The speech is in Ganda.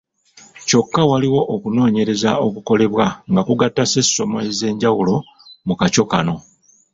Kyokka waliwo okunoonyereza okukolebwa nga kugatta sessomo ez'enjawulo mu kacco kano